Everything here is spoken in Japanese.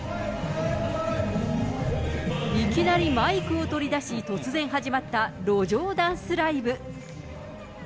いきなりマイクを取り出し、突然始まった路上ダンスライブ。